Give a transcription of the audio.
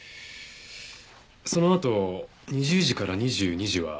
そのあと２０時から２２時はどこで何を？